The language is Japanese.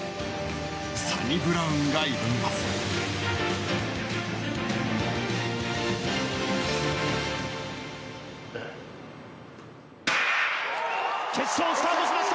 サニブラウンが挑みます。